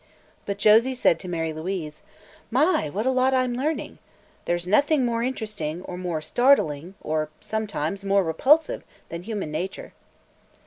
But Josie said to Mary Louise: "My, what a lot I'm learning! There's nothing more interesting or more startling or, sometimes, more repulsive than human nature."